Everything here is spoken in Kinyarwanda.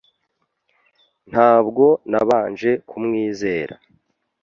Ntabwo nabanje kumwizera.